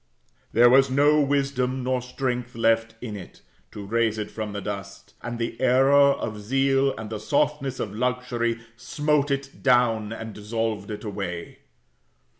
There was no wisdom nor strength left in it, to raise it from the dust; and the error of zeal, and the softness of luxury smote it down and dissolved it away.